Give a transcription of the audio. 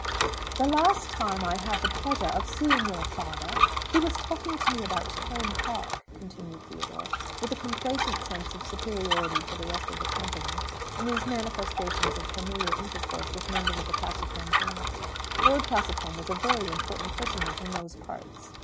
"The last time I had the pleasure of seeing your father, he was talking to me about Combe Park," continued Theodore, with a complacent sense of superiority to the rest of the company in these manifestations of familiar intercourse with members of the Castlecombe family. Lord Castlecombe was a very important personage in those parts.